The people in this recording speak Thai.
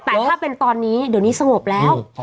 แต่ถ้าเป็นตอนนี้วันนี้สงบแล้ว